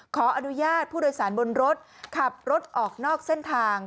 ขออนุญาตผู้โดยสารบนรถขับรถออกนอกเส้นทาง